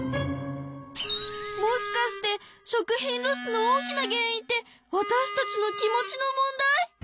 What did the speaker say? もしかして食品ロスの大きな原因ってわたしたちの気持ちの問題？